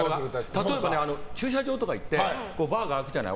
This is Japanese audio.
例えば、駐車場とかでバーが開くじゃない。